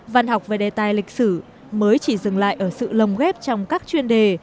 văn học về đề tài lịch sử mới chỉ dừng lại ở sự lồng ghép trong các chuyên đề